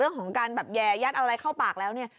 เรื่องของการแบบแย่ยัดเอาอะไรเข้าปากแล้วเนี่ย